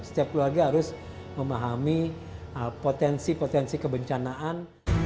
setiap keluarga harus memahami potensi potensi kebencanaan